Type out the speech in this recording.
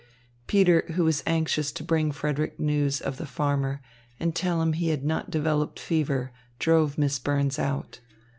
Peter, who was anxious to bring Frederick news of the farmer and tell him he had not developed fever, drove Miss Burns out.